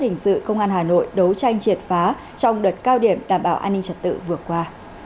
hình sự công an hà nội đấu tranh triệt phá trong đợt cao điểm đảm bảo an ninh trật tự vừa qua